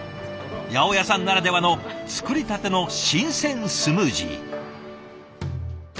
八百屋さんならではの作りたての新鮮スムージー。